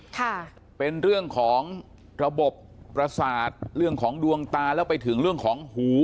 ค่ะเป็นเรื่องของระบบประสาทเรื่องของดวงตาแล้วไปถึงเรื่องของหู